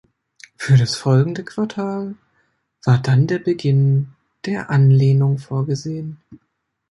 Für das folgende Quartal war dann der Beginn der Anlehnung vorgesehen.